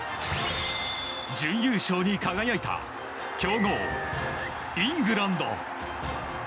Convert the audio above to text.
準優勝に輝いた強豪イングランド。